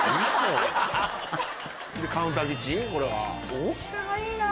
大きさがいいな。